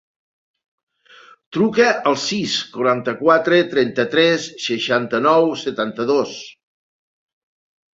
Truca al sis, quaranta-quatre, trenta-tres, seixanta-nou, setanta-dos.